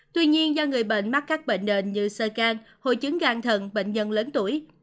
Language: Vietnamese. tuy nhiên do người bệnh mắc các bệnh nền như sơ gan hội chứng gan thận bệnh nhân lớn tuổi